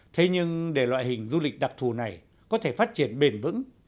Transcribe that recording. thế nhưng để loại hình du lịch đặc thù này có thể phát triển bền vững